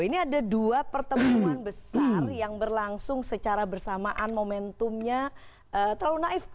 ini ada dua pertemuan besar yang berlangsung secara bersamaan momentumnya terlalu naif